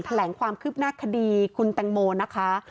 แถลงความคืบหน้าคดีคุณแตงโมนะคะ